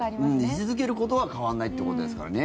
居続けることは変わらないということですからね